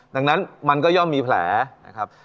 ดังนั้นมันก็ย่อมมีแผลนะครับ